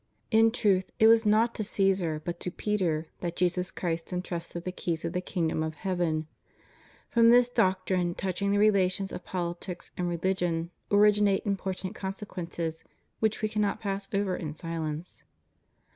In truth it was not to Caesar but to Peter that Jesus Christ entrusted the keys of the kingdom of heaven. From this doctrine touching the relations of politics and religion originate impori:ant consequences which We cannot pass over in silence.